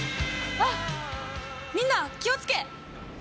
あっみんな気を付け！